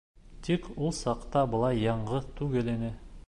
Тик ул саҡта былай яңғыҙ түгел ине.